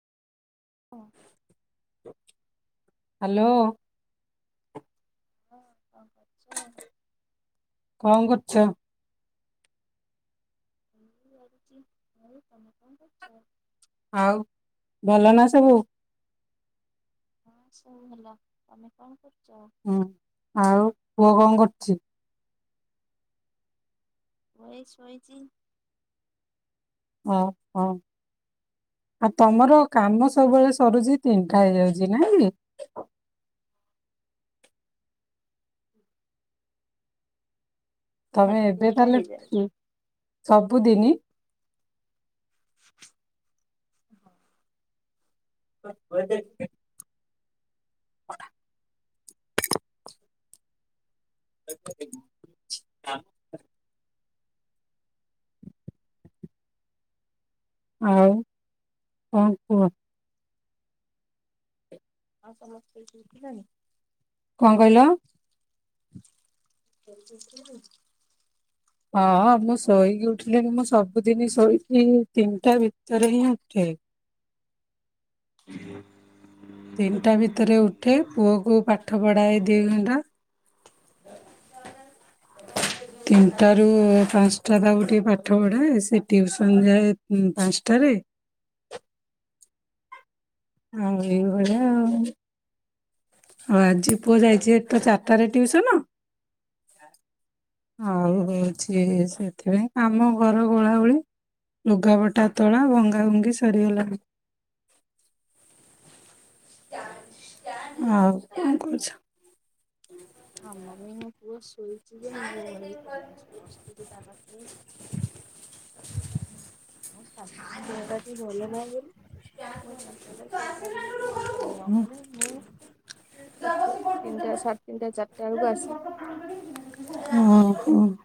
ହଁ। ହାଲୋ। ହଁ। କଣ କରୁଛ? ଛ। ମୁଁ ଗଡୁଚି। ଆଉ ତୋମେ କଣ କରୁଛ? ଆଉ ଭଲ ନା ସବୁ? ହଁ ସବୁ ଭଲ। ତୋମେ କଣ କର ହୁଁ ଆଉ ପୁଅ କଣ କର ଚି। ପୁଅ ଏଇ ଶୋଇଚି। ଓ ହଁ ଆଉ ତୋମର କାମ ସବୁବେଳେ ସରୁଚି ତିନିଟା ହେଇଯାଉଚି ନା କି? ତୋମେ ସାଢେ ଏବେ ତିନିଟା ତାହଲେ ହେଇଯାଉଛି ଫ୍ରି। ସବୁଦିନି ହଁ। [unintelligible] କୁଆଡେ ଯାଇଛି? ଉଠ। [inaudible] ଆଉ କଣ କୁହ? ଆଉ ତୋମେ ଶୋଇକି ଉଠିଲଣି? କଣ କହିଲ? ଶୋଇକି ଉଠିଲଣି? ହଁ ହଁ ମୁଁ ଶୋଇକି ଉଠିଲିଣିି। ମୁଁ ସବୁଦିନ ଶୋଇକି ତିନିଟା ଭିତରେ ହିଁ ଉଠେ। [inaudible] ତିନିଟା ଭିତରେ ଉଠେ। ପୁଅ କୁ ପାଠ ପଢାଏ ଦି ଘଣ୍ଟା। ତିନିଟା ରୁ ପାନ୍ସଟା ତାକୁ ଟିକେ ପାଠ ପଢାଏ। ସେ ଟିଉସନ ଯାଏ ଉଁ, ପାନ୍ସଟାରେ। ଆଉ ଏଇ ଭଳିଆ ଆଉ। ହଁ ଆଜି ପୁଅ ଯାଇଛି ଏ ଚାରଟାରେ ଟିଉସନ, ଆଉ ହଉଛି ସେଥିପାଇଁ କାମ ଘର ଓଳାଓଳି ଲୁଗାପଟା ତଳା ଭଙ୍ଗା ଭୁଙ୍ଗି ସରି ଗଲାଣି। [unintelligible] ଆଉ କଣ କରୁଛ? ଆମରହ ପୁଅ ଶୋ ଶୋଇଛି ଯେ ମୁହଁ ମାଡି ପଡି [unintelligible] ବସିଛି ଯୋଉ ତା ପାଖରେ। ମୋ ଶାଶୁଙ୍କ ଦେହଟା ଟିକେ ଭଲ ନାହିଁ ବୋଲି ମୁଁ ଏଇ ଚାରଟା ବେଳେ ଶୁଇପାରିନି। ଶୁଇ ପାରିନି ନହେଲେ ମୁଁ ହଉ ପଛେ ତିନିଟା ସାଢେ଼ ତିନିଟା ଚାରଟା ବେଳକୁ ଆସିକି ହଁ କୁହ।